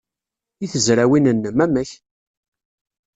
I tezrawin-nnem, amek?